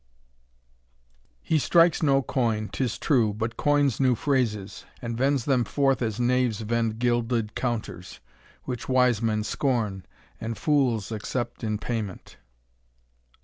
He strikes no coin, 'tis true, but coins new phrases, And vends them forth as knaves vend gilded counters, Which wise men scorn, and fools accept in payment.